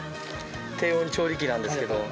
低温調理器なんですけど。